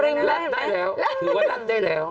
กูแบ่งรัดได้แล้วหรือว่ารัดได้แล้ว